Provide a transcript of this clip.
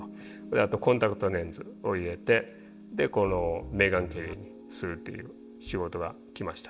あとコンタクトレンズを入れてこのメーガン・ケリーにするっていう仕事が来ました。